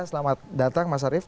selamat datang mas arief